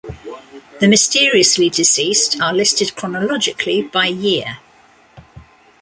The mysteriously-deceased are listed chronologically by year.